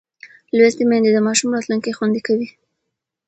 لوستې میندې د ماشوم راتلونکی خوندي کوي.